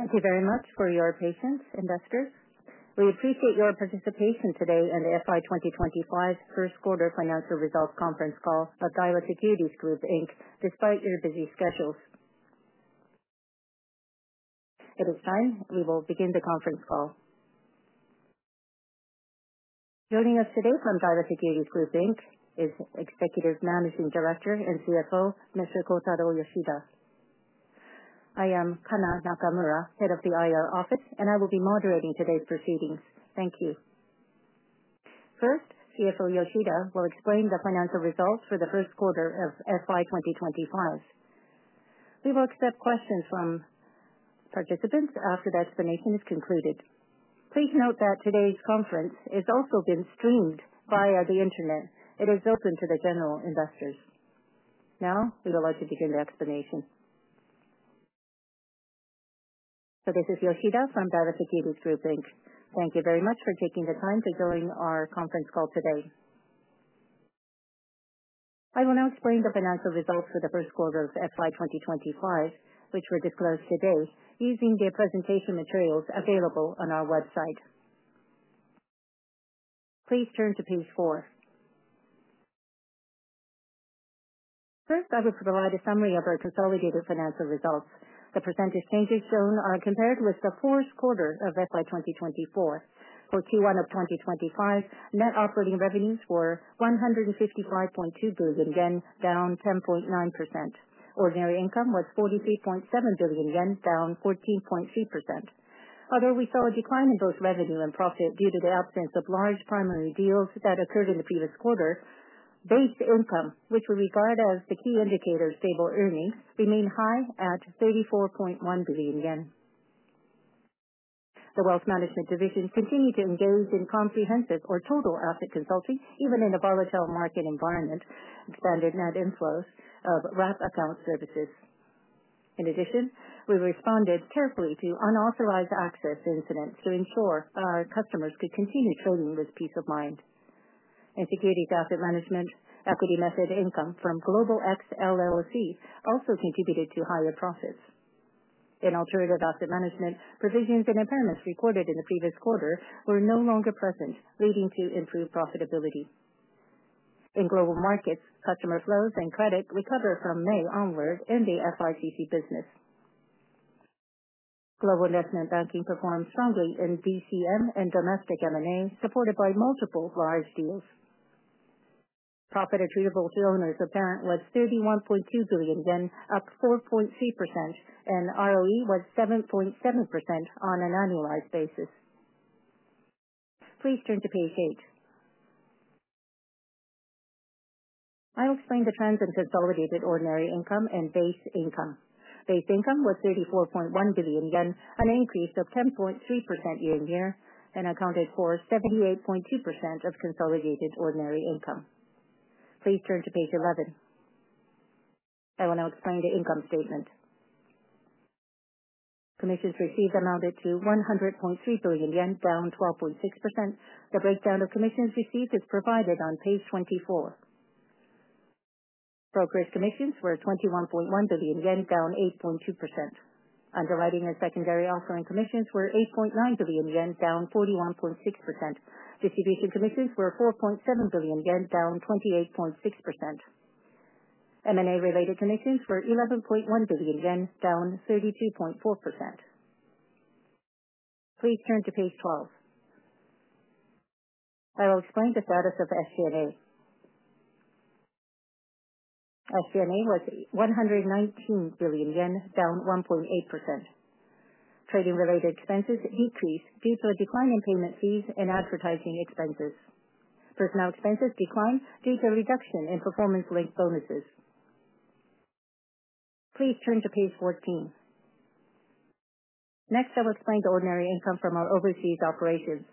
Thank you very much for your patience, investors. We appreciate your participation today in the FY 2025 First Quarter Financial Results Conference Call of Daiwa Securities Group, despite your busy schedules. At this time, we will begin the conference call. Joining us today from Daiwa Securities Group is Executive Managing Director and CFO, Mr. Kotaro Yoshida. I am Kana Nakamura, head of the IR office, and I will be moderating today's proceedings. Thank you. First, CFO Yoshida will explain the financial results for the first quarter of FY 2025. We will accept questions from participants after the explanation is concluded. Please note that today's conference has also been streamed via the internet. It is open to the general investors. Now, we will let you begin the explanation. So this is Yoshida from Daiwa Securities Group. Thank you very much for taking the time to join our conference call today. I will now explain the financial results for the first quarter of FY 2025, which were disclosed today, using the presentation materials available on our website. Please turn to page four. First, I will provide a summary of our consolidated financial results. The percentage changes shown are compared with the fourth quarter of FY 2024. For Q1 of 2025, net operating revenues were 155.2 billion yen, down 10.9%. Ordinary income was 43.7 billion yen, down 14.3%. Although we saw a decline in both revenue and profit due to the absence of large primary deals that occurred in the previous quarter, base income, which we regard as the key indicator of stable earnings, remained high at 34.1 billion yen. The Wealth Management Division continued to engage in comprehensive or total asset consulting, even in a volatile market environment, expanded net inflows of wrap account services. In addition, we responded carefully to unauthorized access incidents to ensure our customers could continue trading with peace of mind. In securities asset management, equity method income from GlobalX LLC also contributed to higher profits. In alternative asset management, provisions and impairments recorded in the previous quarter were no longer present, leading to improved profitability. In global markets, customer flows and credit recovered from May onward in the FICC business. Global investment banking performed strongly in DCM and domestic M&A, supported by multiple large deals. Profit attributable to owners apparent was 31.2 billion yen, up 4.3%, and ROE was 7.7% on an annualized basis. Please turn to page 8. I'll explain the trends in consolidated ordinary income and base income. Base income was 34.1 billion yen, an increase of 10.3% year on year, and accounted for 78.2% of consolidated ordinary income. Please turn to page 11. I will now explain the income statement. Commissions received amounted to 100.3 billion yen, down 12.6%. The breakdown of commissions received is provided on page 24. Brokerage commissions were 21.1 billion yen, down 8.2%. Underwriting and secondary offering commissions were 8.9 billion yen, down 41.6%. Distribution commissions were 4.7 billion yen, down 28.6%. M&A related commissions were 11.1 billion yen, down 32.4%. Please turn to page 12. I will explain the status of SG and A. SG and A was 119 billion yen, down 1.8%. Trading related expenses decreased due to a decline in payment fees and advertising expenses. Personnel expenses declined due to a reduction in performance link bonuses. Please turn to page 14. Next, I will explain the ordinary income from our overseas operations.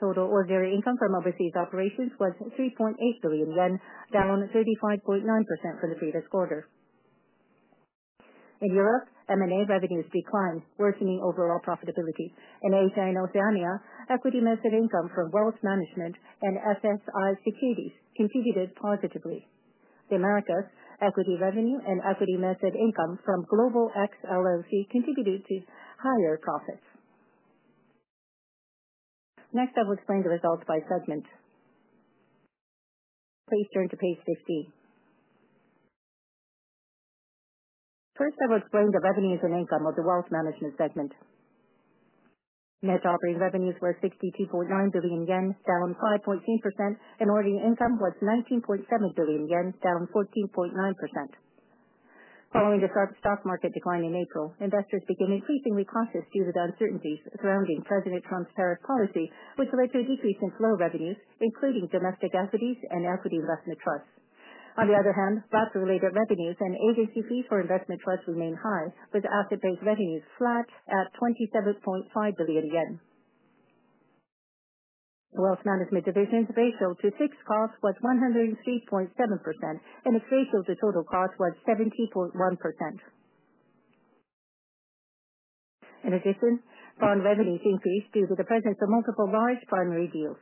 Total ordinary income from overseas operations was 3.8 billion yen, down 35.9% for the previous quarter. In Europe, M&A revenues declined, worsening overall profitability. In Asia and Oceania, equity method income from Wealth Management and SSI Securities contributed positively. The Americas, equity revenue and equity method income from Global X LLC contributed to higher profits. Next, I will explain the results by segment. Please turn to page 15. First, I will explain the revenues and income of the Wealth Management segment. Net operating revenues were 62.9 billion yen, down 5.3%, and ordering income was 19.7 billion yen, down 14.9%. Following the stock market decline in April, investors became increasingly cautious due to the uncertainties surrounding President Trump's tariff policy, which led to a decrease in flow revenues, including domestic equities and equity investment trusts. On the other hand, wrap related revenues and agency fees for investment trusts remained high, with asset-based revenues flat at 27.5 billion yen. The Wealth Management Division's ratio to fixed cost was 103.7%, and its ratio to total cost was 70.1%. In addition, bond revenues increased due to the presence of multiple large primary deals.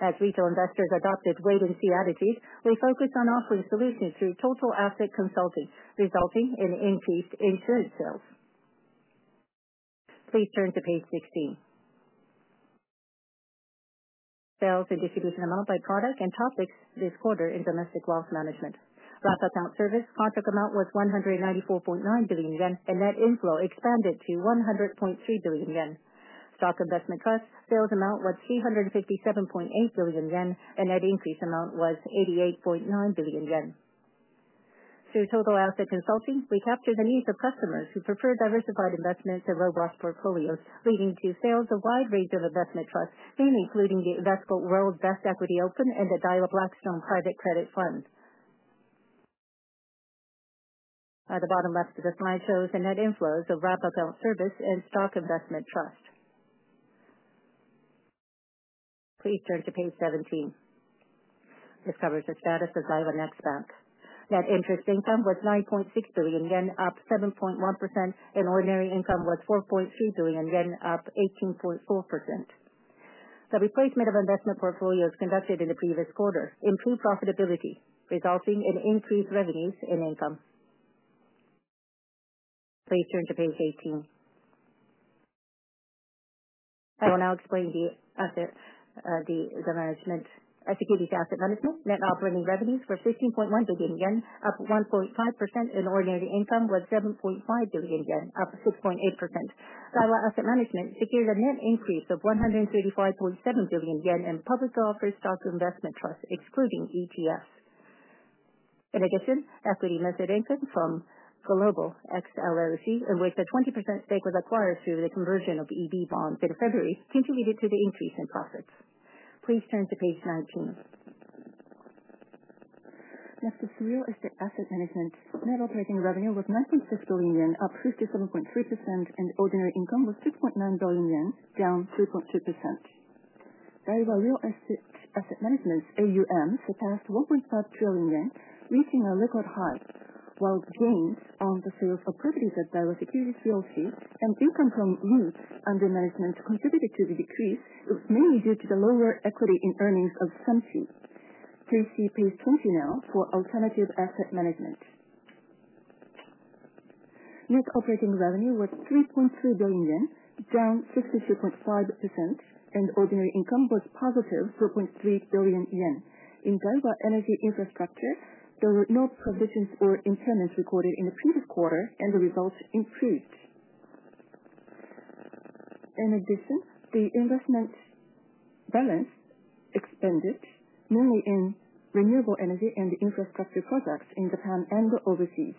As retail investors adopted wait-and-see attitudes, we focused on offering solutions through total asset consulting, resulting in increased insurance sales. Please turn to page 16. Sales and distribution amount by product and topics this quarter in domestic wealth management. Wrap account service contract amount was 194.9 billion yen, and net inflow expanded to 100.3 billion yen. Stock investment trust sales amount was 357.8 billion yen, and net increase amount was 88.9 billion yen. Through total asset consulting, we captured the needs of customers who prefer diversified investments and robust portfolios, leading to sales of a wide range of investment trusts, mainly including the Invesco World Best Equity Open and the Daiwa Blackstone Private Credit Fund. At the bottom left of the slide shows the net inflows of wrap account service and stock investment trust. Please turn to page 17. This covers the status of Daiwa Next Bank. Net interest income was 9.6 billion yen, up 7.1%, and ordinary income was 4.3 billion yen, up 18.4%. The replacement of investment portfolios conducted in the previous quarter improved profitability, resulting in increased revenues and income. Please turn to page 18. I will now explain the asset management. Securities asset management net operating revenues were 15.1 billion yen, up 1.5%, and ordinary income was 7.5 billion yen, up 6.8%. Daiwa Asset Management secured a net increase of 135.7 billion yen in public offered stock investment trusts, excluding ETFs. In addition, equity method income from Global X LLC, in which a 20% stake was acquired through the conversion of EB bonds in February, contributed to the increase in profits. Please turn to page 19. Next is real estate asset management. Net operating revenue was 196 billion yen, up 57.3%, and ordinary income was 6.9 billion yen, down 3.2%. Daiwa Real Estate Asset Management's AUM surpassed 1.5 trillion yen, reaching a record high, while gains on the sales of properties at Daiwa Securities Realty and income from REITs under management contributed to the decrease, mainly due to the lower equity in earnings of Sensi. Please see page 20 now for alternative asset management. Net operating revenue was 3.3 billion yen, down 62.5%, and ordinary income was positive 4.3 billion yen. In Daiwa Energy Infrastructure, there were no provisions or impairments recorded in the previous quarter, and the results improved. In addition, the investment. Balance expanded mainly in renewable energy and infrastructure projects in Japan and overseas.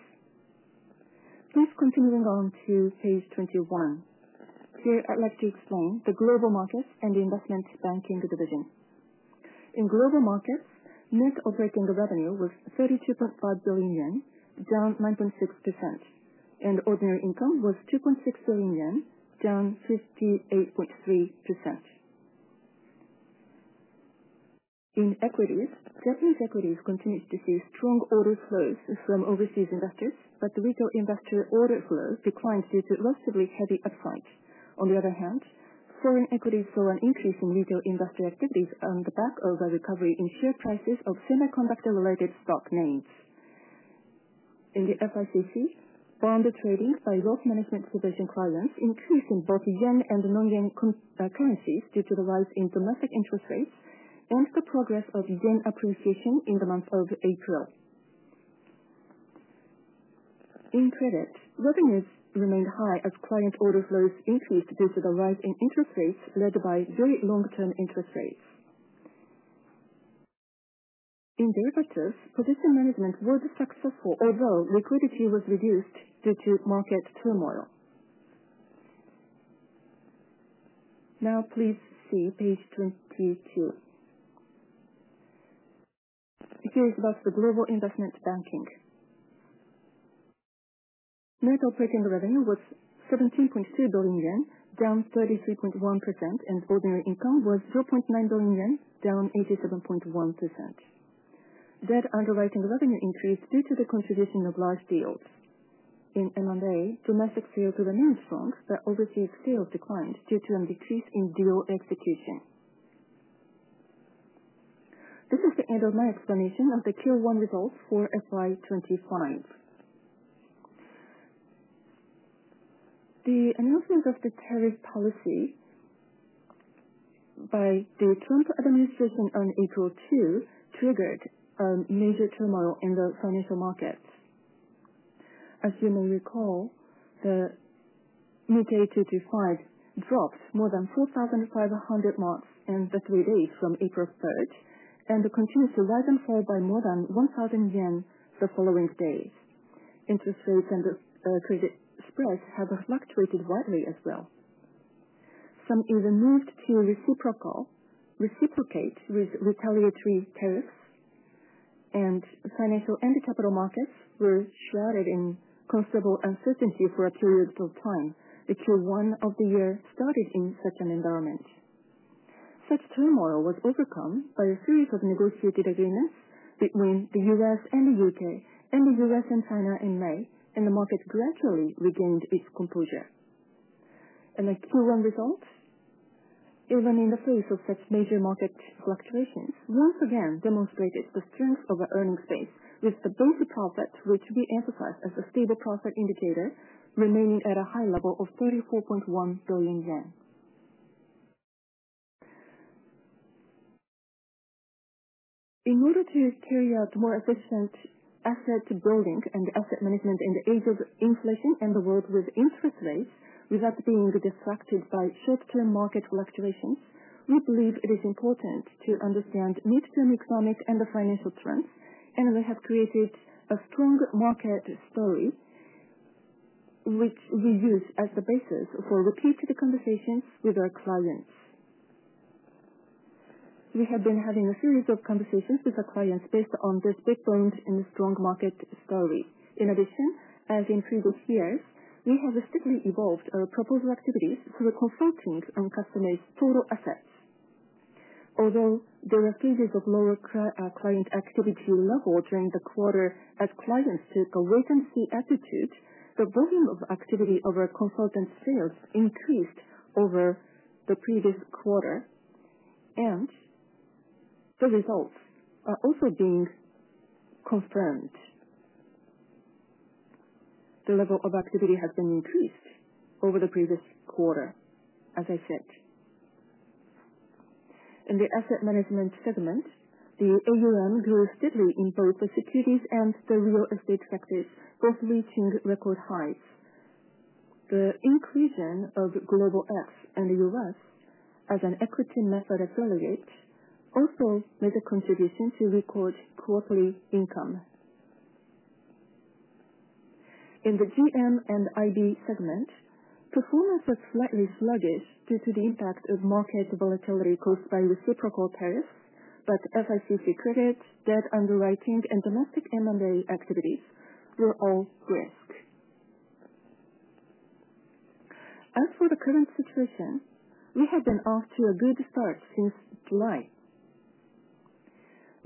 Please continue on to page 21. Here I'd like to explain the global markets and the investment banking division. In global markets, net operating revenue was 32.5 billion yen, down 9.6%, and ordinary income was 2.6 billion yen, down 58.3%. In equities, Japanese equities continued to see strong order flows from overseas investors, but the retail investor order flow declined due to relatively heavy upside. On the other hand, foreign equities saw an increase in retail investor activities on the back of a recovery in share prices of semiconductor-related stock names. In the FICC, bond trading by Wealth Management Division clients increased in both yen and non-yen currencies due to the rise in domestic interest rates and the progress of yen appreciation in the month of April. In credit, revenues remained high as client order flows increased due to the rise in interest rates led by very long-term interest rates. In derivatives, position management was successful, although liquidity was reduced due to market turmoil. Now, please see page 22. Here is about the global investment banking. Net operating revenue was 17.2 billion yen, down 33.1%, and ordinary income was 0.9 billion yen, down 87.1%. Net underwriting revenue increased due to the contribution of large deals. In M&A, domestic sales remained strong, but overseas sales declined due to a decrease in deal execution. This is the end of my explanation of the Q1 results for FY 2025. The announcement of the tariff policy by the Trump administration on April 2 triggered major turmoil in the financial markets. As you may recall, the midday 225 dropped more than 4,500 marks in the three days from April 3, and continued to rise and fall by more than 1,000 yen the following day. Interest rates and credit spreads have fluctuated widely as well. Some even moved to reciprocate with retaliatory tariffs. Financial and capital markets were shrouded in considerable uncertainty for a period of time. The Q1 of the year started in such an environment. Such turmoil was overcome by a series of negotiated agreements between the U.S. and the U.K., and the U.S. and China in May, and the market gradually regained its composure. The Q1 results, even in the face of such major market fluctuations, once again demonstrated the strength of our earnings base, with the basic profit, which we emphasize as a stable profit indicator, remaining at a high level of 34.1 billion yen. In order to carry out more efficient asset building and asset management in the age of inflation and the world with interest rates without being distracted by short-term market fluctuations, we believe it is important to understand midterm economic and financial trends, and we have created a strong market story, which we use as the basis for repeated conversations with our clients. We have been having a series of conversations with our clients based on this backbone in the strong market story. In addition, as in previous years, we have steadily evolved our proposal activities through consulting on customers' total assets. Although there were phases of lower client activity level during the quarter as clients took a wait-and-see attitude, the volume of activity of our consultant sales increased over the previous quarter. The results are also being confirmed. The level of activity has been increased over the previous quarter, as I said. In the asset management segment, the AUM grew steadily in both the securities and the real estate sectors, both reaching record highs. The inclusion of Global X and the U.S. as an equity method affiliate also made a contribution to record quarterly income. In the GM and IB segment, performance was slightly sluggish due to the impact of market volatility caused by reciprocal tariffs, but FICC credit, debt underwriting, and domestic M&A activities were all risk. As for the current situation, we have been off to a good start since July.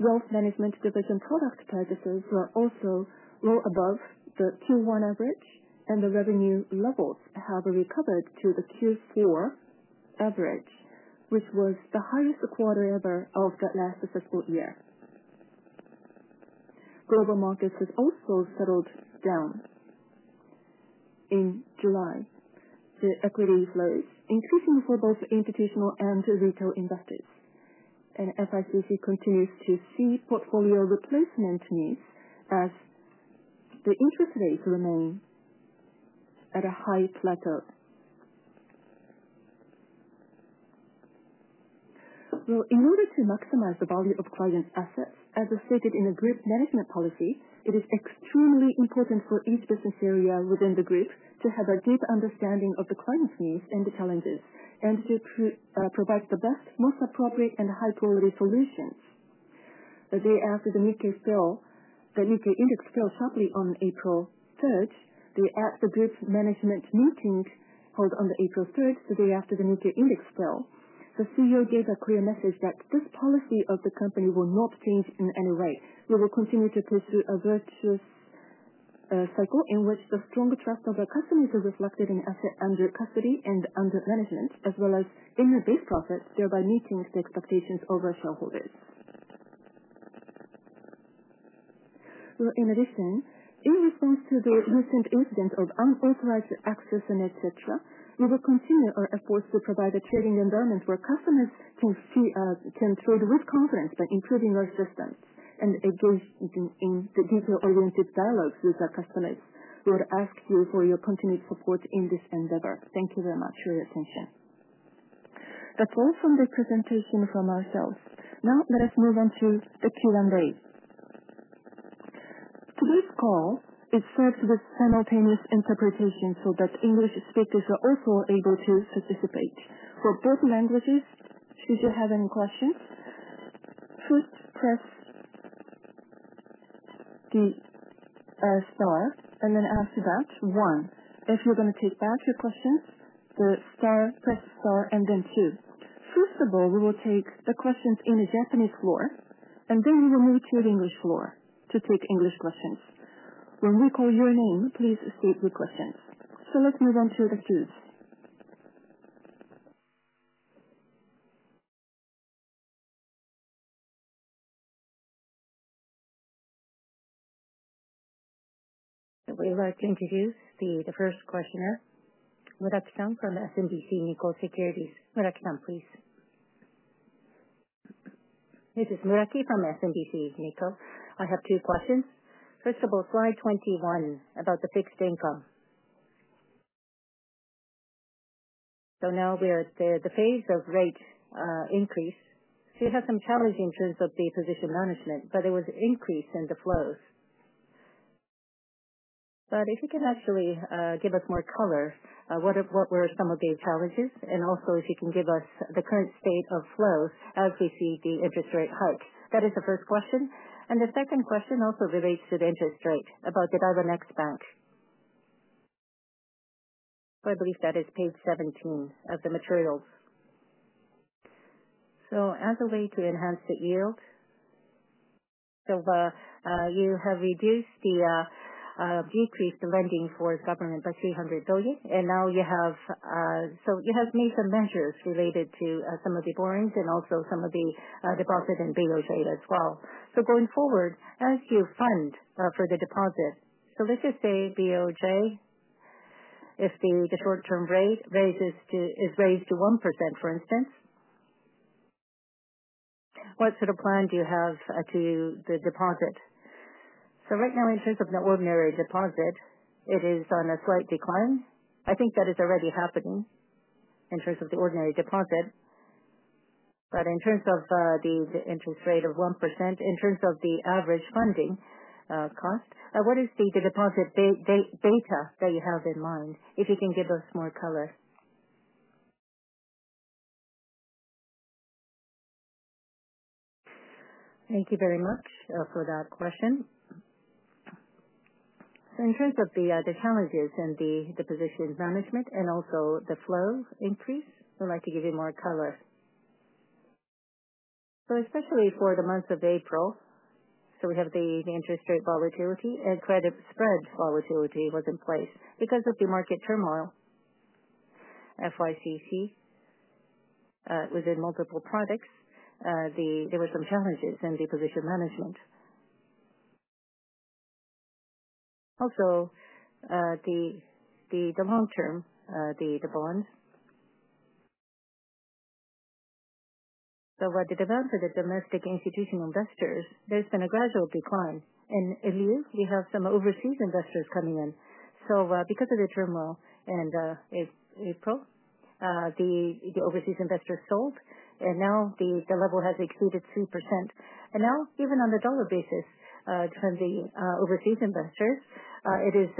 Wealth Management Division product purchases were also well above the Q1 average, and the revenue levels have recovered to the Q4 average, which was the highest quarter ever of the last successful year. Global markets have also settled down. In July, the equity flows increased for both institutional and retail investors. FICC continues to see portfolio replacement needs as the interest rates remain at a high plateau. In order to maximize the value of client assets, as stated in the group management policy, it is extremely important for each business area within the group to have a deep understanding of the client's needs and the challenges, and to provide the best, most appropriate, and high-quality solutions. The day after the U.K. fell. The U.K. index fell sharply on April 3. The Apt Group Management meeting held on April 3, the day after the U.K. index fell, the CEO gave a clear message that this policy of the company will not change in any way. We will continue to pursue a virtuous cycle in which the strong trust of our customers is reflected in asset under custody and under management, as well as in-house base profits, thereby meeting the expectations of our shareholders. In addition, in response to the recent incident of unauthorized access, etc., we will continue our efforts to provide a trading environment where customers can trade with confidence by improving our systems and engaging in detail-oriented dialogues with our customers. We would ask you for your continued support in this endeavor. Thank you very much for your attention. That's all from the presentation from ourselves. Now, let us move on to the Q&A. Today's call is served with simultaneous interpretation so that English speakers are also able to participate. For both languages, should you have any questions, first press the star, and then after that, one. If you're going to take back your questions, press star and then two. First of all, we will take the questions in the Japanese floor, and then we will move to the English floor to take English questions. When we call your name, please state your questions. Let's move on to the queues. We would like to introduce the first questioner. Murak Chan from SMBC Nikko Securities. Murak Chan, please. This is Murakuchi from SMBC Nikko. I have two questions. First of all, slide 21 about the fixed income. Now we're at the phase of rate increase. You had some challenges in terms of the position management, but there was an increase in the flows. If you can actually give us more color, what were some of the challenges? Also, if you can give us the current state of flows as we see the interest rate hike. That is the first question. The second question also relates to the interest rate about the Daiwa Next Bank. I believe that is page 17 of the materials. As a way to enhance the yield, you have reduced the, decreased the lending for government by 300 billion, and now you have, so you have made some measures related to some of the borrowings and also some of the deposit and BOJ as well. Going forward, as you fund for the deposit, let's just say BOJ. If the short-term rate is raised to 1%, for instance. What sort of plan do you have to the deposit? Right now, in terms of the ordinary deposit, it is on a slight decline. I think that is already happening in terms of the ordinary deposit. In terms of the interest rate of 1%, in terms of the average funding cost, what is the deposit data that you have in mind? If you can give us more color. Thank you very much for that question. In terms of the challenges in the position management and also the flow increase, we would like to give you more color. Especially for the month of April, we had interest rate volatility and credit spread volatility in place because of the market turmoil. FICC, within multiple products, there were some challenges in the position management. Also, the long-term bonds, the demand from domestic institutional investors has been on a gradual decline, and in lieu, we have some overseas investors coming in. Because of the turmoil in April, the overseas investors sold, and now the level has exceeded 3%. Now, even on the dollar basis from the overseas investors, it is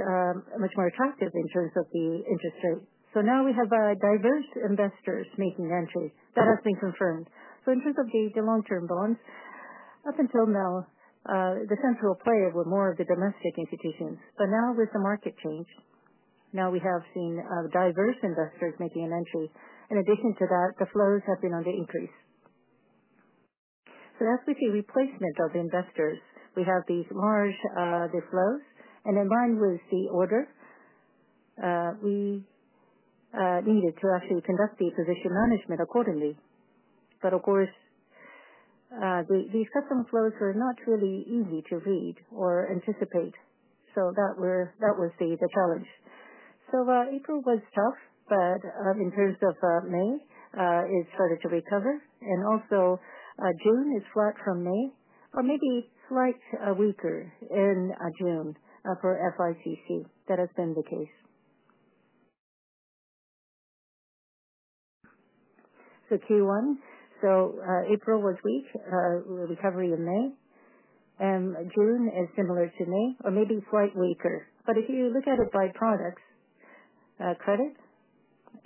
much more attractive in terms of the interest rate. Now we have diverse investors making entries. That has been confirmed. In terms of the long-term bonds, up until now, the central player was more of the domestic institutions, but now, with the market change, we have seen diverse investors making an entry. In addition to that, the flows have been on the increase. As we see replacement of investors, we have these large flows, and in line with the order, we needed to actually conduct the position management accordingly. Of course, these customer flows were not really easy to read or anticipate, so that was the challenge. April was tough, but in terms of May, it started to recover. Also, June is flat from May, or maybe slightly weaker in June for FICC. That has been the case. Q1, April was weak, recovery in May, and June is similar to May, or maybe slightly weaker. If you look at it by products, credit,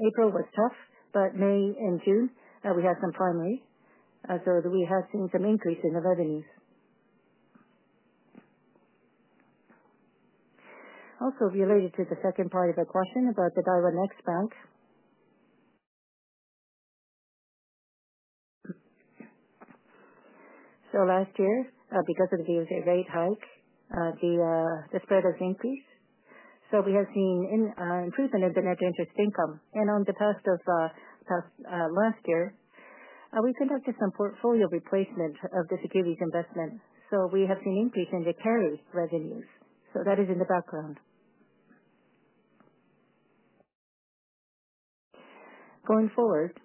April was tough, but May and June, we had some primary, so we have seen some increase in the revenues. Also, related to the second part of the question about Daiwa Next Bank, last year, because of the rate hike, the spread has increased, so we have seen improvement in the net interest income. On the past of last year, we conducted some portfolio replacement of the securities investment, so we have seen an increase in the carry revenues. That is in the background. Going forward,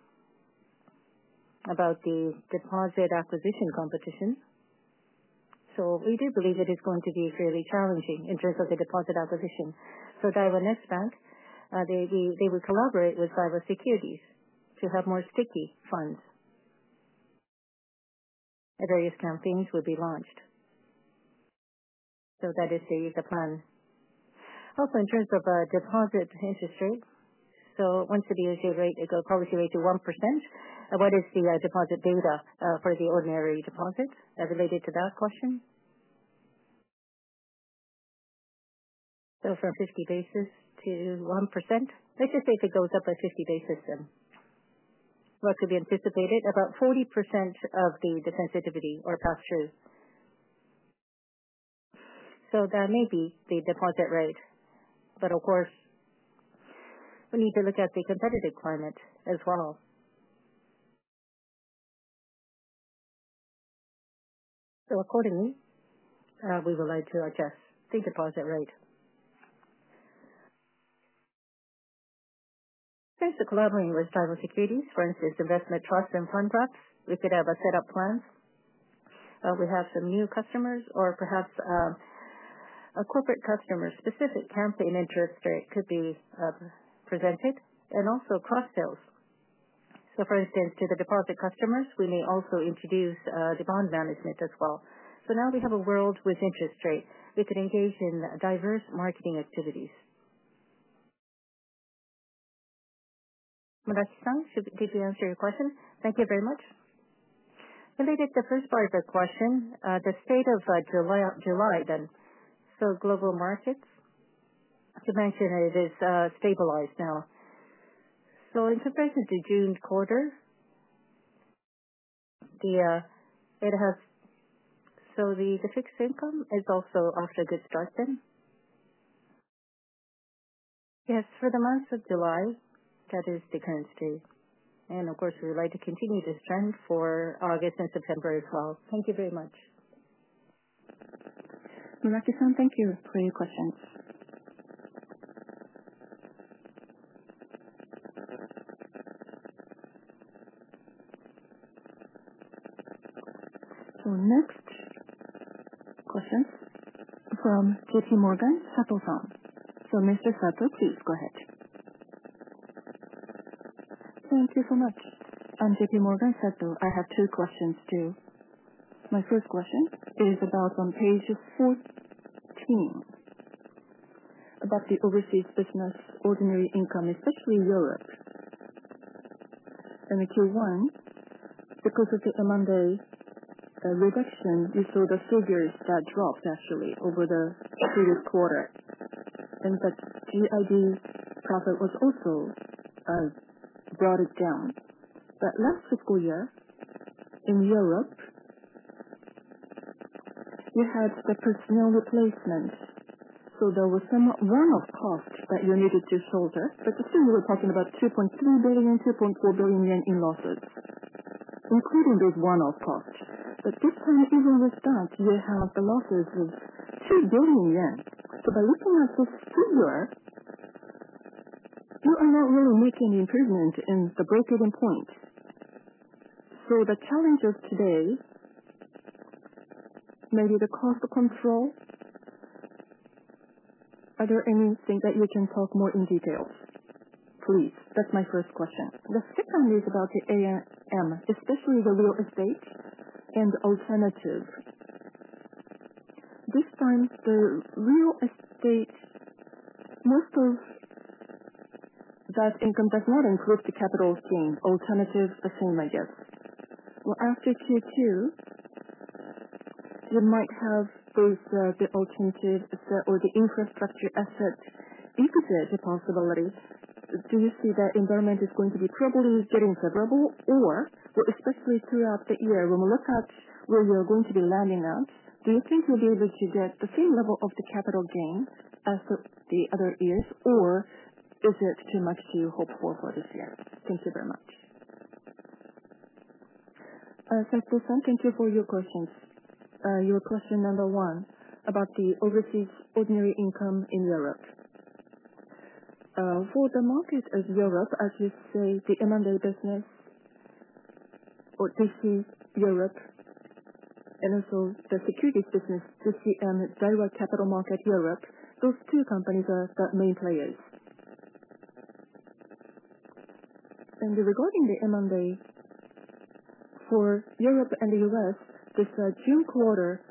about the deposit acquisition competition, we do believe it is going to be fairly challenging in terms of the deposit acquisition. Daiwa Next Bank will collaborate with Daiwa Securities to have more sticky funds, and various campaigns will be launched. That is the plan. Also, in terms of deposit interest rate, once the BOJ policy rate goes to 1%, what is the deposit data for the ordinary deposit related to that question? From 50 basis points to 1%, let's just say if it goes up by 50 basis points, then what could be anticipated? About 40% of the defensitivity or pass-through, so that may be the deposit rate. Of course, we need to look at the competitive climate as well. Accordingly, we would like to adjust the deposit rate. In terms of collaborating with Daiwa Securities, for instance, investment trusts and fund trusts, we could have a setup plan. We have some new customers, or perhaps a corporate customer-specific campaign interest rate could be presented, and also cross-sales. For instance, to the deposit customers, we may also introduce the bond management as well. Now we have a world with interest rates, we could engage in diverse marketing activities. Murakuchi, did you answer your question? Thank you very much. Related to the first part of the question, the state of July then, global markets, to mention, it is stabilized now. In comparison to the June quarter, the fixed income is also off to a good start then. Yes, for the month of July, that is the current state. Of course, we would like to continue this trend for August and September as well. Thank you very much. Murakuchi, thank you for your questions. Next, question from JP Morgan Sato Fund. Mr. Sato, please go ahead. Thank you so much. I am JP Morgan Sato. I have two questions too. My first question is about on page 14, about the overseas business ordinary income, especially Europe, and the Q1. Because of the M&A reduction, you saw the figures that dropped, actually, over the previous quarter. In fact, GID profit was also brought down. Last fiscal year, in Europe, you had the personnel replacement, so there was some one-off cost that you needed to shoulder. Still, you were talking about 2.3 billion-2.4 billion yen in losses, including those one-off costs. This time, even with that, you have the losses of 2 billion yen. By looking at this figure. You are not really making any improvement in the break-even point. The challenges today, maybe the cost control. Are there any things that you can talk more in detail? Please. That is my first question. The second is about the AM, especially the real estate and alternative. This time, the real estate, most of that income does not include the capital gain. Alternative, the same, I guess. After Q2, you might have both the alternative or the infrastructure asset equity possibility. Do you see that environment is going to be probably getting favorable? Especially throughout the year, when we look at where you are going to be landing at, do you think you will be able to get the same level of the capital gain as the other years? Or is it too much to hope for for this year? Thank you very much. Thank you for your questions. Your question number one about the overseas ordinary income in Europe. For the market of Europe, as you say, the M&A business or TC Europe, and also the securities business, TCM Daiwa Capital Market Europe, those two companies are the main players. Regarding the M&A for Europe and the U.S., this June quarter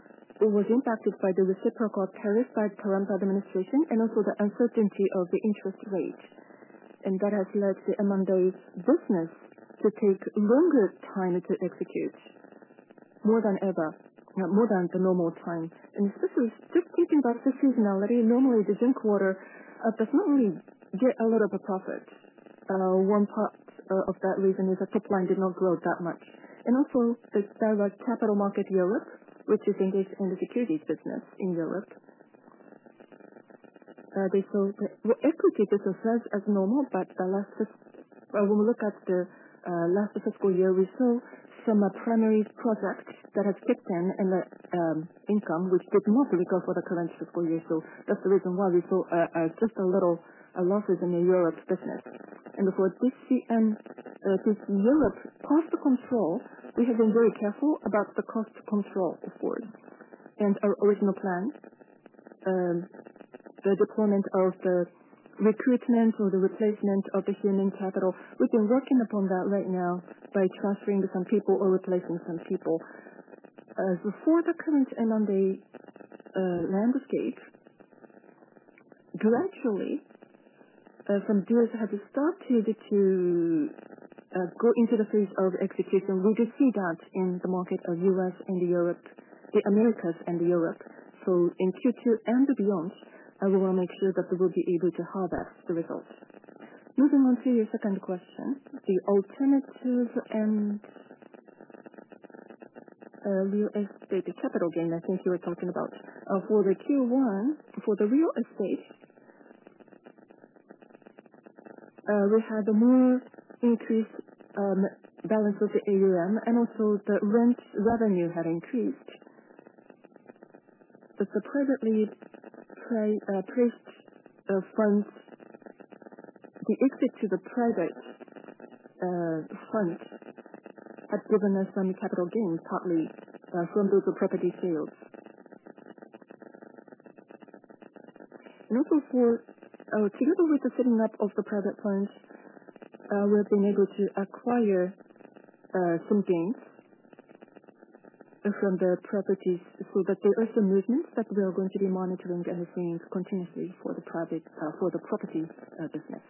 was impacted by the reciprocal tariffs by the Trump administration and also the uncertainty of the interest rate. That has led the M&A business to take longer time to execute, more than ever, more than the normal time. Especially just thinking about seasonality, normally the June quarter does not really get a lot of profit. One part of that reason is that top line did not grow that much. Also, the Daiwa Capital Market Europe, which is engaged in the securities business in Europe, equity just as well as normal, but the last, when we look at the last fiscal year, we saw some primary projects that have kicked in in the income, which did not recover the current fiscal year. That is the reason why we saw just a little losses in the Europe business. For TC Europe, cost control, we have been very careful about the cost control of course. Our original plan, the deployment of the recruitment or the replacement of the human capital, we have been working upon that right now by transferring some people or replacing some people. For the current M&A landscape, gradually, from this had started to go into the phase of execution, we do see that in the market of U.S. and the Americas and Europe. In Q2 and beyond, we want to make sure that we will be able to harvest the results. Moving on to your second question, the alternative and real estate capital gain, I think you were talking about. For the Q1, for the real estate, we had a more increased balance of the AUM, and also the rent revenue had increased. But the privately placed funds, the exit to the private fund had given us some capital gains, partly from those property sales. Also, together with the setting up of the private funds, we have been able to acquire some gains from the properties so that there are some movements that we are going to be monitoring and seeing continuously for the property business.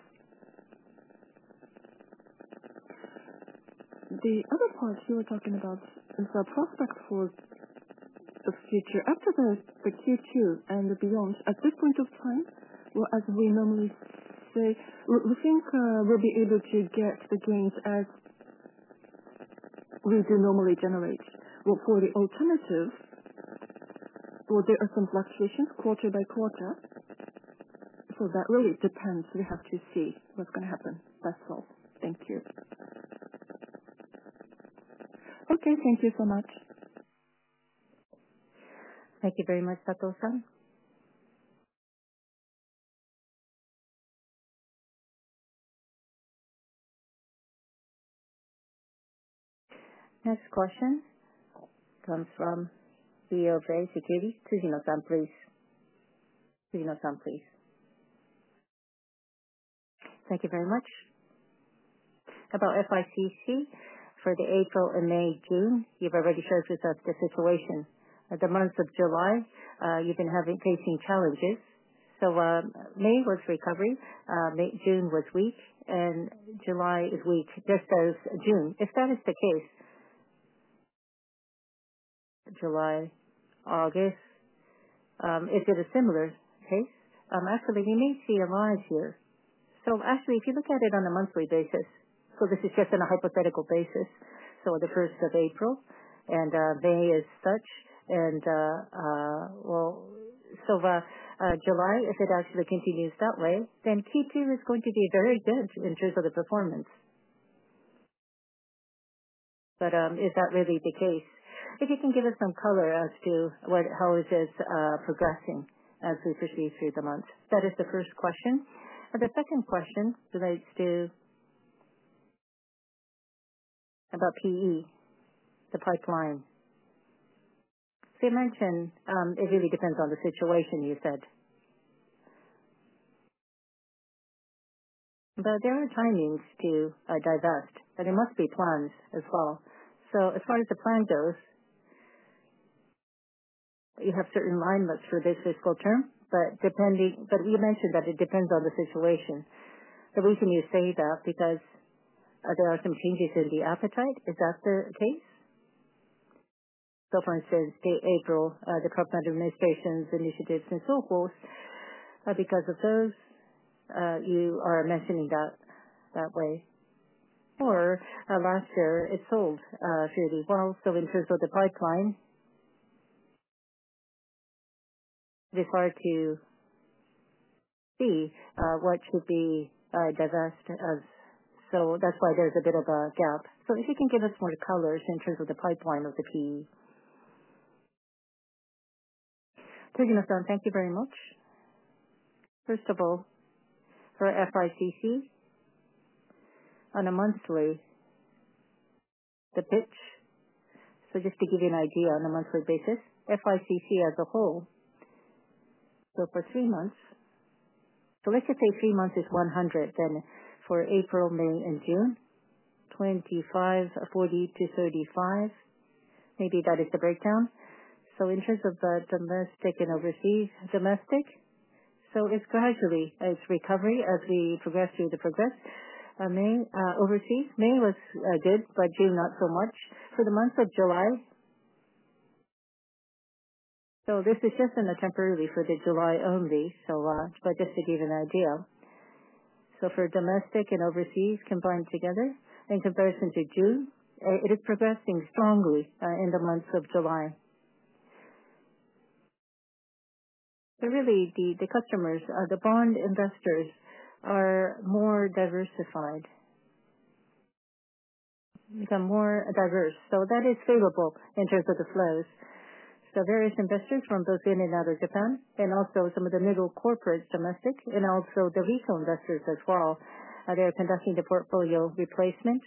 The other part you were talking about is the prospect for the future after the Q2 and beyond. At this point of time, as we normally say, we think we'll be able to get the gains as we do normally generate. For the alternative, there are some fluctuations quarter by quarter. That really depends. We have to see what's going to happen. That's all. Thank you. Okay. Thank you so much. Thank you very much, Sato. Next question comes from DOJ Securities. Suzino-san, please. Suzino-san, please. Thank you very much. About FICC for the April and May, June, you've already shared with us the situation. The month of July, you've been facing challenges. May was recovery, June was weak, and July is weak, just as June. If that is the case, July, August, is it a similar case? Actually, we may see a rise here. If you look at it on a monthly basis, this is just on a hypothetical basis, so the 1st of April, and May is such, and July, if it actually continues that way, then Q2 is going to be very good in terms of the performance. Is that really the case? If you can give us some color as to how it is progressing as we proceed through the month. That is the first question. The second question relates to PE, the pipeline. You mentioned it really depends on the situation, you said. There are timings to divest, but there must be plans as well. As far as the plan goes, you have certain alignments for this fiscal term, but you mentioned that it depends on the situation. The reason you say that is because there are some changes in the appetite. Is that the case? For instance, April, the corporate administration's initiatives and so forth. Because of those, you are mentioning that that way. Or last year, it sold fairly well. In terms of the pipeline, with regard to PE, what should be divested. That is why there is a bit of a gap. If you can give us more colors in terms of the pipeline of the PE. Suzino-san, thank you very much. First of all, for FICC, on a monthly, the pitch. Just to give you an idea, on a monthly basis, FICC as a whole, for three months, let's just say three months is 100, then for April, May, and June, 25, 40-35. Maybe that is the breakdown. In terms of domestic and overseas, domestic, it is gradually, it is recovery as we progress through the progress. Overseas, May was good, but June, not so much. For the month of July, this is just temporarily for July only, but just to give you an idea, for domestic and overseas combined together, in comparison to June, it is progressing strongly in the months of July. The customers, the bond investors, are more diversified, become more diverse. That is favorable in terms of the flows. Various investors from both in and out of Japan, and also some of the middle corporate domestic, and also the retail investors as well, they are conducting the portfolio replacement.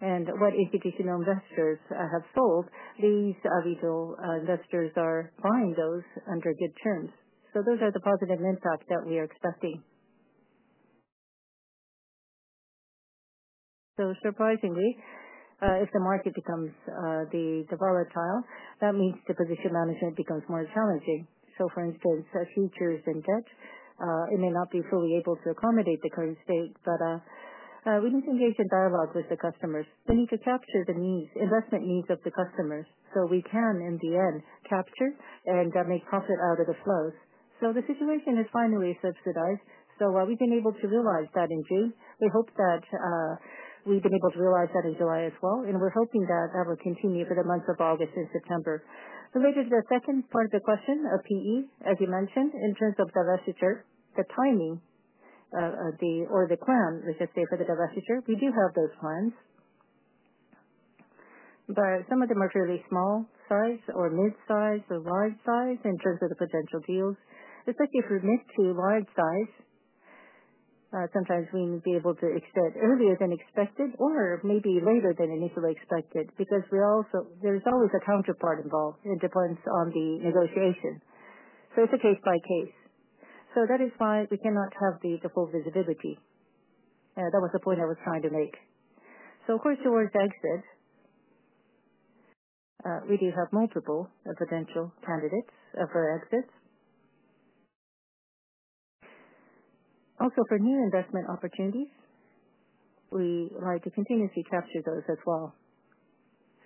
What institutional investors have sold, these retail investors are buying those under good terms. Those are the positive impacts that we are expecting. Surprisingly, if the market becomes volatile, that means the position management becomes more challenging. For instance, futures and debt, it may not be fully able to accommodate the current state, but we need to engage in dialogue with the customers. We need to capture the investment needs of the customers so we can, in the end, capture and make profit out of the flows. The situation is finally subsidized. We have been able to realize that in June. We hope that we have been able to realize that in July as well, and we are hoping that will continue for the months of August and September. Related to the second part of the question, PE, as you mentioned, in terms of divestiture, the timing or the plan, let's just say, for the divestiture, we do have those plans. Some of them are fairly small size or mid-size or large size in terms of the potential deals. Especially for mid to large size, sometimes we may be able to extend earlier than expected or maybe later than initially expected because there is always a counterpart involved. It depends on the negotiation. It is a case by case. That is why we cannot have the full visibility. That was the point I was trying to make. Of course, towards exit. We do have multiple potential candidates for exits. Also, for new investment opportunities. We like to continuously capture those as well.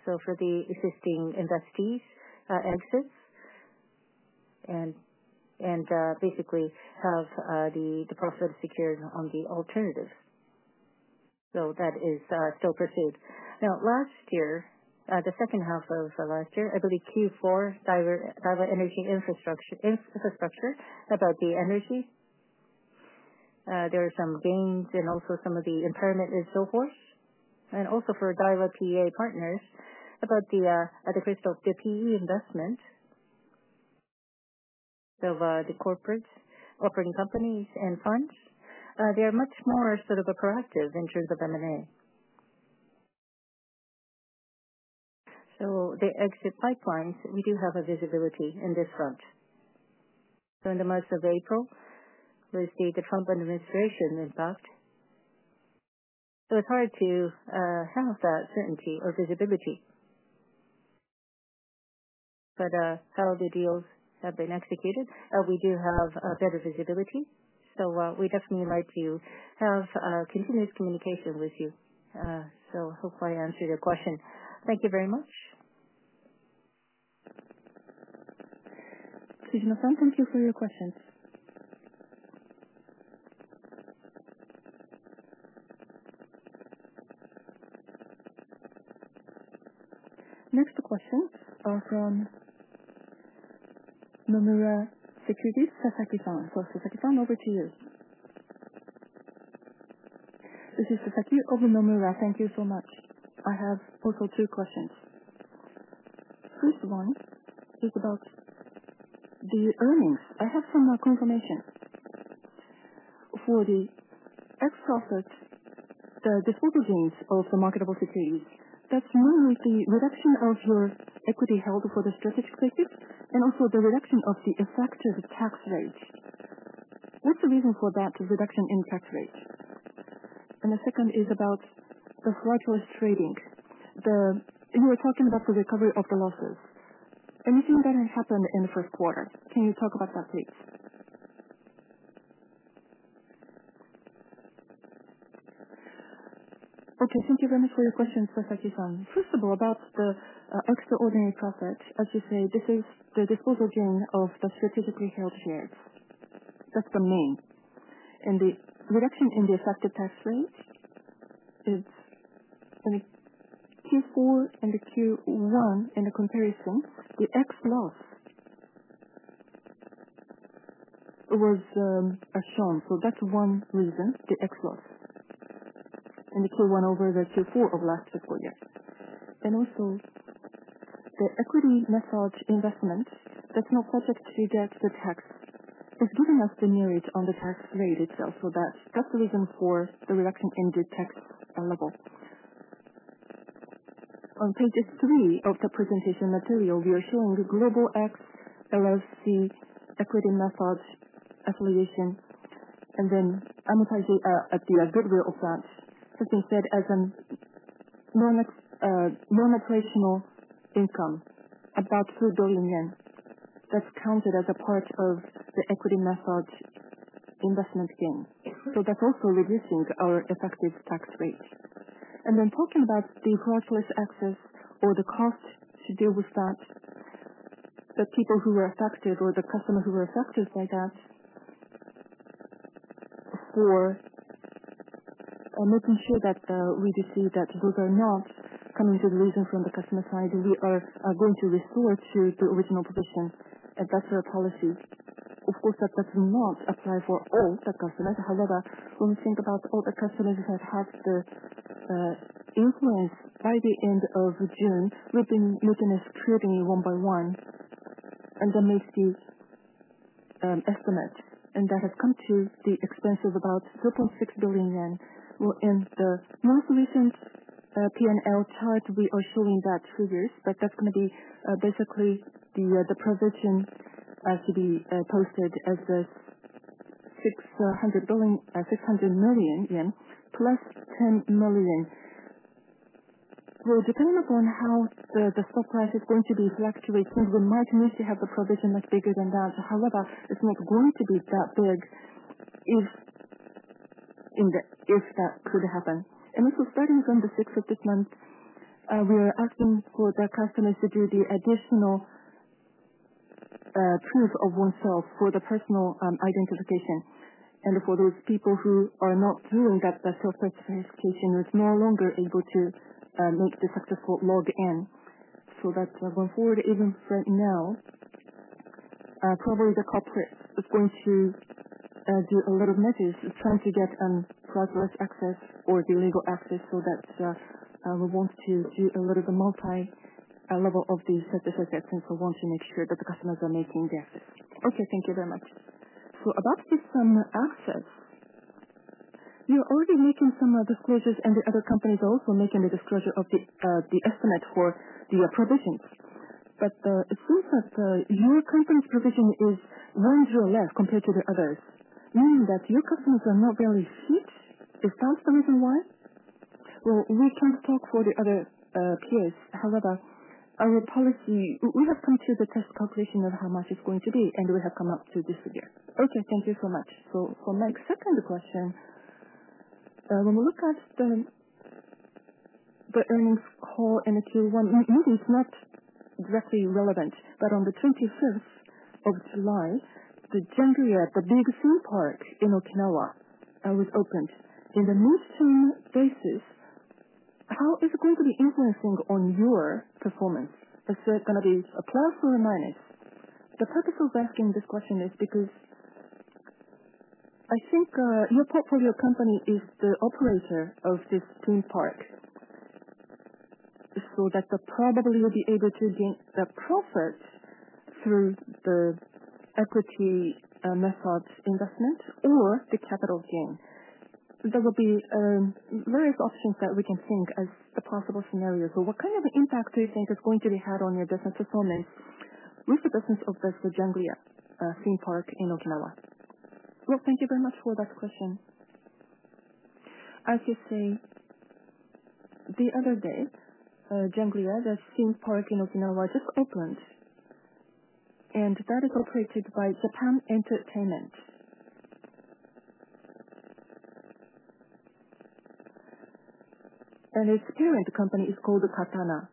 For the existing investees, exits, and basically have the profit secured on the alternative. That is still pursued. Last year, the second half of last year, I believe Q4, Daiwa Energy Infrastructure, about the energy, there are some gains and also some of the impairment and so forth. Also, for Daiwa PEA partners, about the PE investment of the corporate operating companies and funds, they are much more sort of proactive in terms of M&A. The exit pipelines, we do have visibility in this front. In the months of April, we see the Trump administration impact. It is hard to have that certainty or visibility, but how the deals have been executed, we do have better visibility. We definitely like to have continuous communication with you. Hopefully, I answered your question. Thank you very much. Suzino-san, thank you for your questions. Next question from Nomura Securities, Sasaki-san. Sasaki-san, over to you. This is Sasaki over Nomura. Thank you so much. I have also two questions. First one is about the earnings. I have some confirmation for the ex-profit. Disposal gains of the marketable securities, that is mainly the reduction of your equity held for the strategic basis and also the reduction of the effective tax rate. What is the reason for that reduction in tax rate? The second is about the fraudulent trading. You were talking about the recovery of the losses. Anything that happened in the first quarter? Can you talk about that, please? Thank you very much for your questions, Sasaki-san. First of all, about the extraordinary profit, as you say, this is the disposal gain of the strategically held shares. That is the main. The reduction in the effective tax rate, in Q4 and the Q1, in the comparison, the ex-loss was shown. That is one reason, the ex-loss in the Q1 over the Q4 of last fiscal year. Also, the equity massage investment, that is not subject to get the tax, is giving us the merit on the tax rate itself. That is the reason for the reduction in the tax level. On page three of the presentation material, we are showing Global X LLC Equity Methods Affiliation, and then Amotaji at the Goodwill of that has been said as a non-operational income about 3 billion yen. That is counted as a part of the equity method investment gain. That's also reducing our effective tax rate. Talking about the fraudulent access or the cost to deal with that, the people who were affected or the customer who were affected by that, for making sure that we receive that those are not coming to the reason from the customer side, we are going to restore to the original position. That's our policy. Of course, that does not apply for all the customers. However, when we think about all the customers that have the influence by the end of June, we've been looking at trading one by one. That makes the estimate, and that has come to the expense of about 3.6 billion yen. In the most recent P&L chart, we are showing that figures, but that's going to be basically the provision to be posted as 600 million yen plus 10 million. Depending upon how the stock price is going to be fluctuating, we might need to have a provision much bigger than that. However, it's not going to be that big if that could happen. Also, starting from the 6th of this month, we are asking for the customers to do the additional proof of oneself for the personal identification. For those people who are not doing that self-certification, it's no longer able to make the successful login. That's going forward. Even right now, probably the corporate is going to do a lot of measures trying to get fraudulent access or the legal access so that we want to do a lot of the multi-level of the certification for want to make sure that the customers are making the access. Okay, thank you very much. About system access, you're already making some disclosures, and the other companies are also making the disclosure of the estimate for the provisions. It seems that your company's provision is one drill left compared to the others, meaning that your customers are not really huge. Is that the reason why? We can't talk for the other peers. However, our policy, we have come to the test calculation of how much it's going to be, and we have come up to this figure. Okay, thank you so much. For my second question, when we look at the earnings call in the Q1, maybe it's not directly relevant, but on the 25th of July, the Jengue, the big theme park in Okinawa, was opened. In the meantime basis, how is it going to be influencing on your performance? Is it going to be a plus or a minus? The purpose of asking this question is because I think your portfolio company is the operator of this theme park. That probably you'll be able to gain the profit through the equity methods investment or the capital gain. There will be various options that we can think as a possible scenario. What kind of an impact do you think is going to be had on your business performance with the business of the Jengue theme park in Okinawa? Thank you very much for that question. As you say, the other day, Jengue, the theme park in Okinawa, just opened. That is operated by Japan Entertainment, and its parent company is called Katana.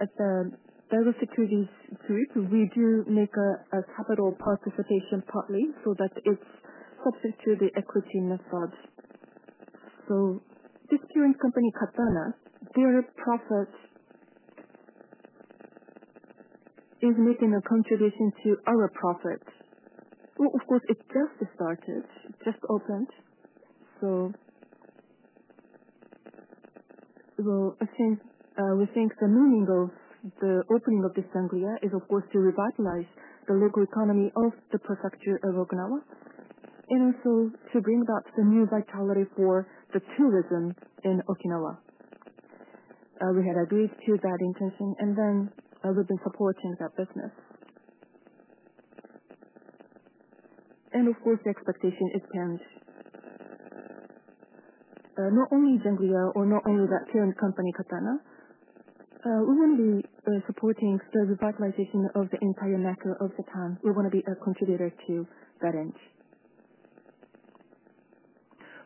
At Daiwa Securities Group, we do make a capital participation partly so that it's subject to the equity methods. This parent company, Katana, their profit is making a contribution to our profit. Of course, it just started, just opened. We think the meaning of the opening of this Jengue is, of course, to revitalize the local economy of the prefecture of Okinawa and also to bring back some new vitality for the tourism in Okinawa. We had agreed to that intention, and then we've been supporting that business. Of course, the expectation is changed. Not only Jengue or not only that parent company, Katana. We want to be supporting the revitalization of the entire macro of Japan. We want to be a contributor to that end.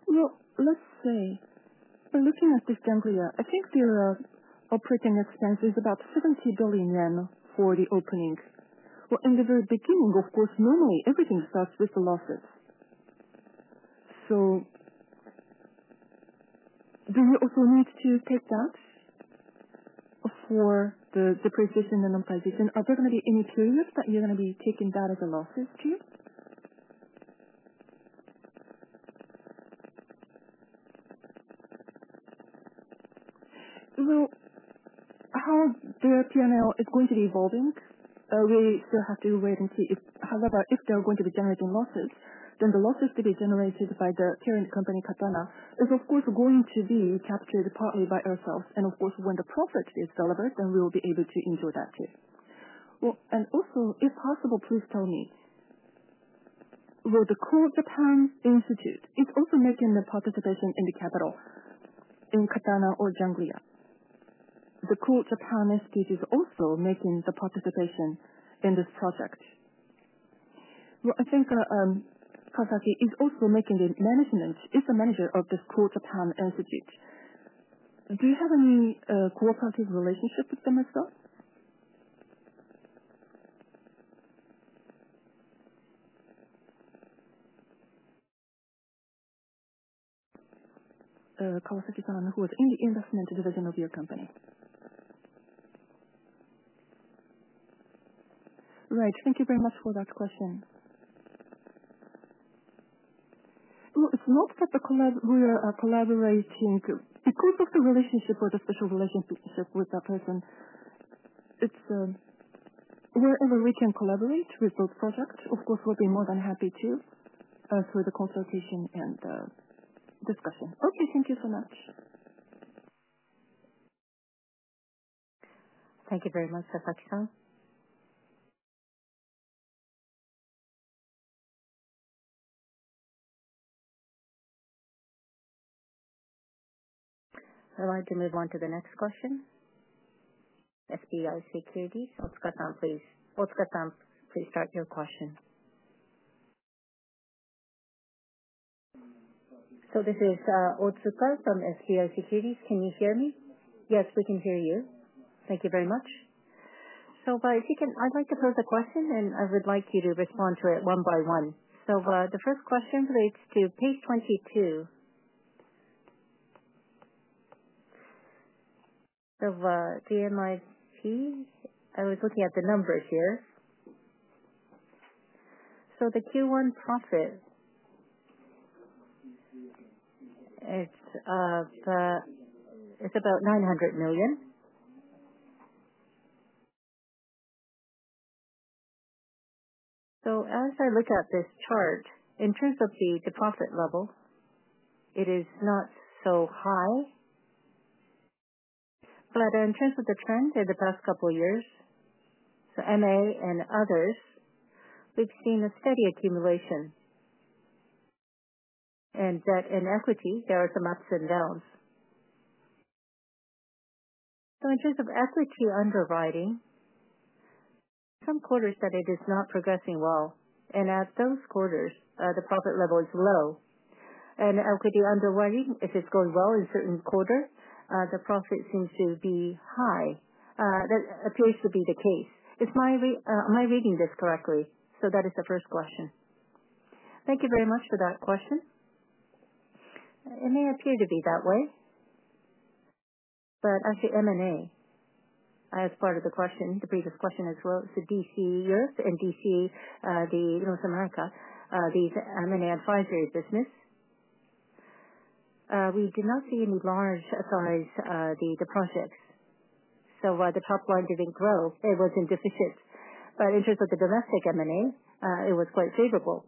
Let's say, looking at this Jengue, I think their operating expense is about 70 billion yen for the opening. In the very beginning, of course, normally everything starts with the losses. Do you also need to take that for the depreciation and normalization? Are there going to be any periods that you're going to be taking that as a loss too? How their P&L is going to be evolving, we still have to wait and see. However, if they're going to be generating losses, then the losses to be generated by the parent company, Katana, is, of course, going to be captured partly by ourselves. Of course, when the profit is delivered, then we will be able to enjoy that too. Also, if possible, please tell me, will the Cool Japan Institute is also making the participation in the capital in Katana or Jengue? The Cool Japan Institute is also making the participation in this project. I think Sasaki is also making the management. He's the manager of this Cool Japan Institute. Do you have any cooperative relationship with them as well? Kawasaki-san, who is in the investment division of your company? Right. Thank you very much for that question. It is not that we are collaborating because of the relationship or the special relationship with that person. It is wherever we can collaborate with those projects, of course, we will be more than happy to, through the consultation and discussion. Okay. Thank you so much. Thank you very much, Sasaki-san. I would like to move on to the next question. SBI Securities. Otsuka-san, please. Otsuka-san, please start your question. This is Otsuka from SBI Securities. Can you hear me? Yes, we can hear you. Thank you very much. If you can, I would like to pose a question, and I would like you to respond to it one by one. The first question relates to page 22 of DMIP. I was looking at the numbers here. The Q1 profit is about 900 million. As I look at this chart, in terms of the profit level, it is not so high, but in terms of the trend in the past couple of years, M&A and others, we have seen a steady accumulation, and in equity, there are some ups and downs. In terms of equity underwriting, some quarters it is not progressing well, and at those quarters, the profit level is low. Equity underwriting, if it is going well in certain quarters, the profit seems to be high. That appears to be the case. Am I reading this correctly? That is the first question. Thank you very much for that question. It may appear to be that way, but actually, M&A, as part of the question, the previous question as well, so DCUS and DC, the North America, the M&A advisory business, we did not see any large-sized projects, so the top line did not grow. It was in deficit. In terms of the domestic M&A, it was quite favorable,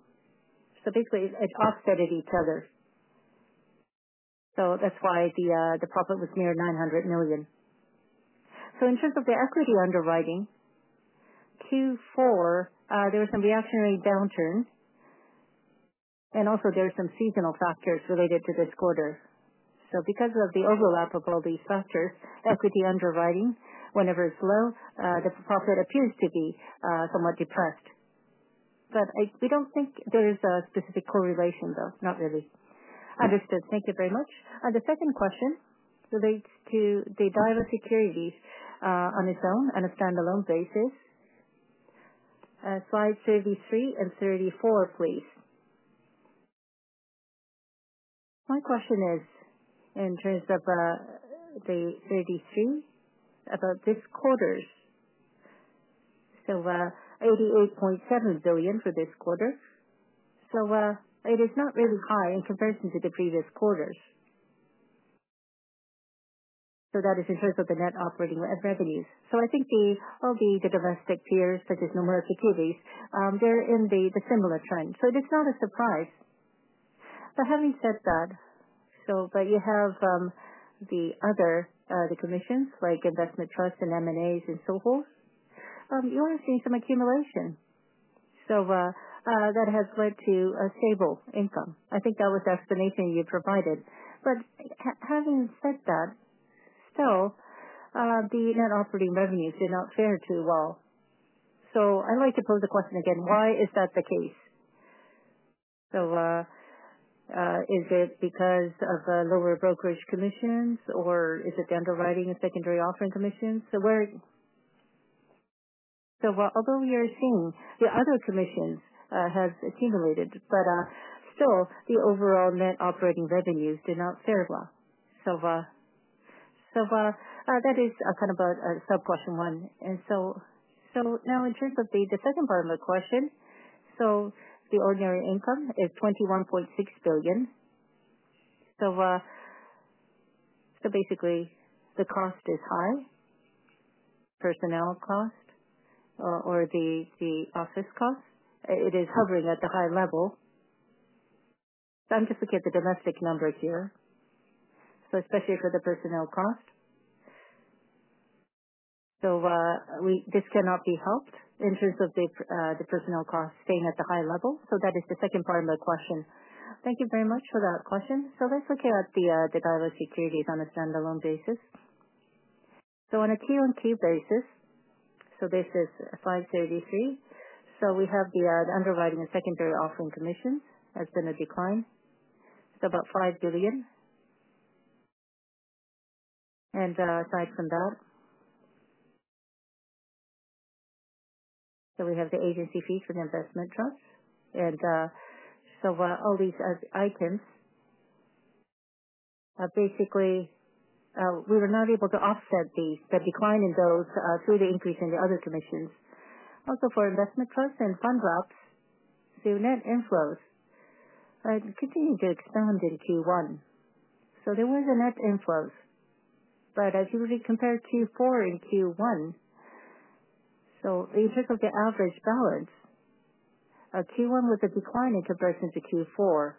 so basically, it offset each other. That is why the profit was near 900 million. In terms of the equity underwriting, Q4, there was some reactionary downturn, and also, there were some seasonal factors related to this quarter. Because of the overlap of all these factors, equity underwriting, whenever it is low, the profit appears to be somewhat depressed. We do not think there is a specific correlation, though. Not really. Understood. Thank you very much. The second question relates to Daiwa Securities on its own and a standalone basis. Slides 33 and 34, please. My question is in terms of the 33, about this quarter. 88.7 billion for this quarter. It is not really high in comparison to the previous quarters. That is in terms of the net operating revenues. I think all the domestic peers, such as Nomura Securities, are in a similar trend. It is not a surprise. Having said that, you have the other commissions like investment trusts and M&As and so forth. You are seeing some accumulation. That has led to a stable income. I think that was the explanation you provided. Having said that, still, the net operating revenues did not fare too well. I would like to pose the question again. Why is that the case? Is it because of lower brokerage commissions, or is it the underwriting and secondary offering commissions? Although we are seeing the other commissions have accumulated, still, the overall net operating revenues did not fare well. That is kind of a sub-question one. Now, in terms of the second part of my question, the ordinary income is 21.6 billion. Basically, the cost is high. Personnel cost or the office cost. It is hovering at a high level. I am just looking at the domestic number here. Especially for the personnel cost, this cannot be helped in terms of the personnel cost staying at the high level. That is the second part of my question. Thank you very much for that question. Let's look at Daiwa Securities on a standalone basis. On a T1Q basis, this is slide 33. The underwriting and secondary offering commissions have been in decline. It is about JPY 5 billion. Aside from that, we have the agency fees for the investment trusts. All these items, basically, we were not able to offset the decline in those through the increase in the other commissions. Also, for investment trusts and fund wraps, the net inflows continued to expand in Q1. There was a net inflow. As you already compared Q4 and Q1, in terms of the average balance, Q1 was a decline in comparison to Q4.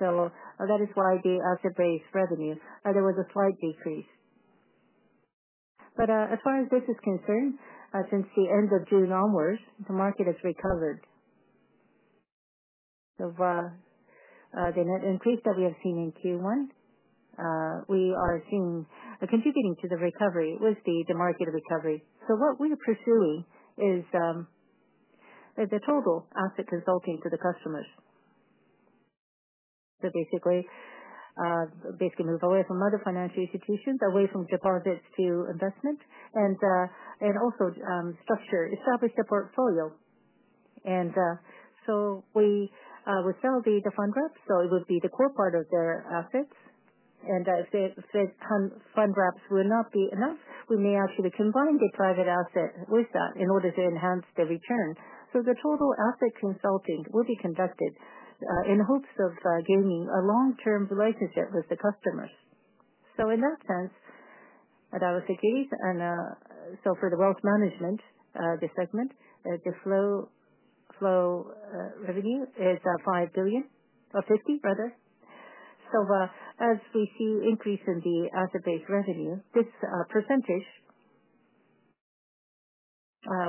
That is why the asset-based revenue saw a slight decrease. As far as this is concerned, since the end of June onwards, the market has recovered. The net increase that we have seen in Q1 is contributing to the recovery with the market recovery. What we are pursuing is total asset consulting to the customers. Basically, move away from other financial institutions, away from deposits to investment, and also establish a portfolio. We sell the fund wraps, so it would be the core part of their assets. If the fund drops will not be enough, we may actually combine the private asset with that in order to enhance the return. The total asset consulting will be conducted in hopes of gaining a long-term relationship with the customers. In that sense, Daiwa Securities, and for the wealth management segment, the flow revenue is 5 billion or 50 billion, rather. As we see an increase in the asset-based revenue, this percentage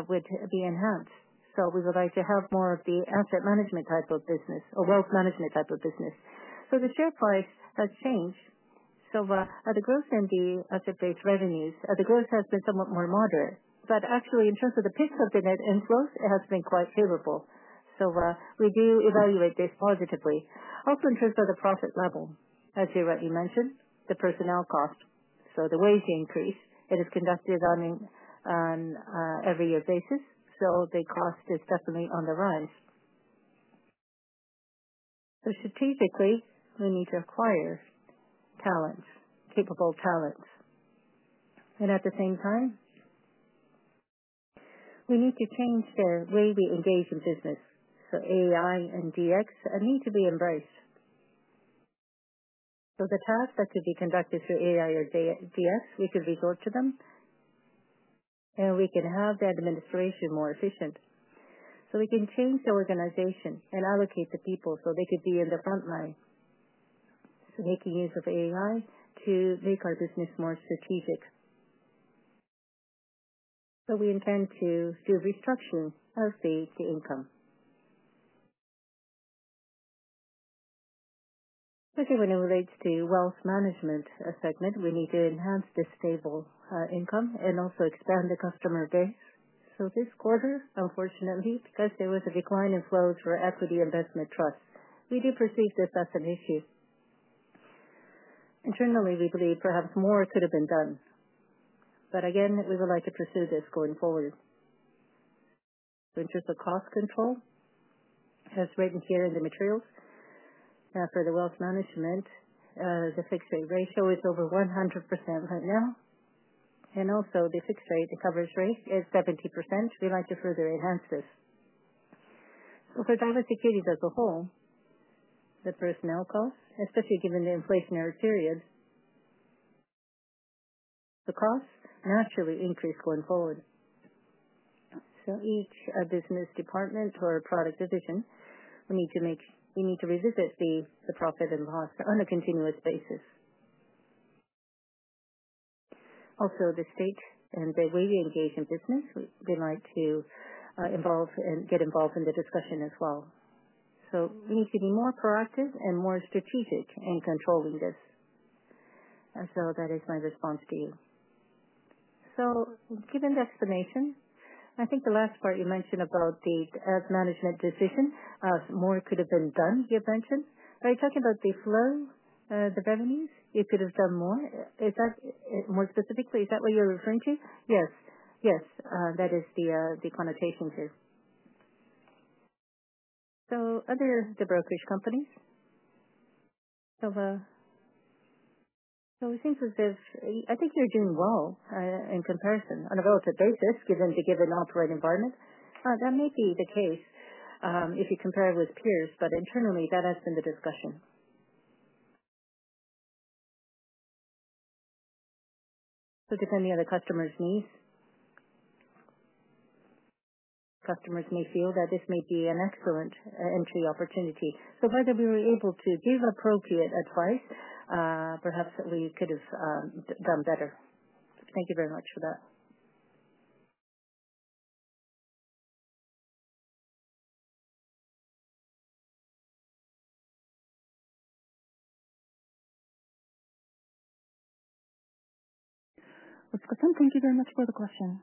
would be enhanced. We would like to have more of the asset management type of business or wealth management type of business. The share price has changed. The growth in the asset-based revenues, the growth has been somewhat more moderate. Actually, in terms of the peaks of the net inflows, it has been quite favorable. We do evaluate this positively. Also in terms of the profit level, as you rightly mentioned, the personnel cost, the wage increase, it is conducted on an every-year basis. The cost is definitely on the rise. Strategically, we need to acquire talents, capable talents. At the same time, we need to change the way we engage in business. AI and DX need to be embraced. The tasks that could be conducted through AI or DX, we could resort to them. We can have the administration more efficient. We can change the organization and allocate the people so they could be in the front line. Making use of AI to make our business more strategic. We intend to do restructuring of the income. Especially when it relates to wealth management segment, we need to enhance the stable income and also expand the customer base. This quarter, unfortunately, because there was a decline in flows for equity investment trusts, we do perceive this as an issue. Internally, we believe perhaps more could have been done. Again, we would like to pursue this going forward. In terms of cost control, as written here in the materials, for the wealth management, the fixed-rate ratio is over 100% right now. Also, the fixed-rate, the coverage rate, is 70%. We'd like to further enhance this. For Daiwa Securities as a whole, the personnel cost, especially given the inflationary period, the costs naturally increase going forward. Each business department or product division, we need to revisit the profit and loss on a continuous basis. Also, the state and the way we engage in business, we'd like to get involved in the discussion as well. We need to be more proactive and more strategic in controlling this. That is my response to you. Given the explanation, I think the last part you mentioned about the asset management decision, more could have been done, you mentioned. Are you talking about the flow, the revenues? You could have done more. Is that more specifically? Is that what you're referring to? Yes. Yes. That is the connotation here. Under the brokerage companies, it seems as if I think you're doing well in comparison on a relative basis given the operating environment. That may be the case if you compare it with peers, but internally, that has been the discussion. Depending on the customer's needs, customers may feel that this may be an excellent entry opportunity. Whether we were able to give appropriate advice, perhaps we could have done better. Thank you very much for that. Otsuka-san, thank you very much for the question.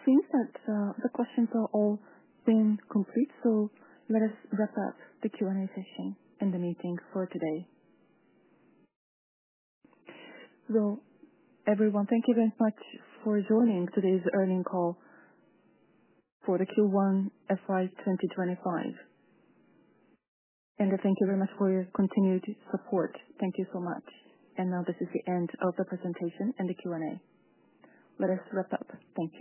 It seems that the questions are all being complete, so let us wrap up the Q&A session and the meeting for today. Everyone, thank you very much for joining today's earning call for the Q1 FY 2025. Thank you very much for your continued support. Thank you so much. This is the end of the presentation and the Q&A. Let us wrap up. Thank you.